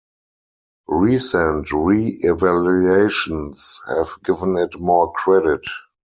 Recent re-evaluations have given it more credit.